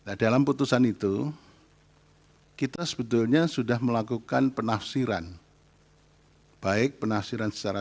hai dalam putusan itu kita sebetulnya sudah melakukan penafsiran baik penafsiran secara